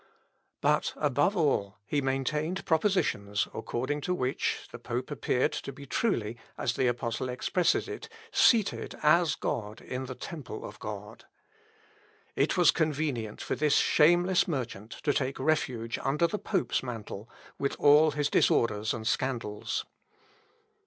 But, above all, he maintained propositions, according to which, the pope appeared to be truly, as the apostle expresses it, seated as God in the temple of God. It was convenient for this shameless merchant to take refuge under the pope's mantle, with all his disorders and scandals.